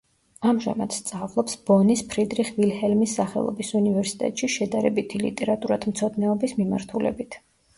ამჟამად სწავლობს ბონის ფრიდრიხ-ვილჰელმის სახელობის უნივერსიტეტში, შედარებითი ლიტერატურათმცოდნეობის მიმართულებით.